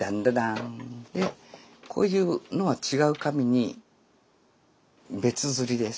でこういうのは違う紙に別刷りです。